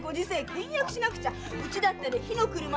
倹約しなくちゃうちだって火の車なんだから！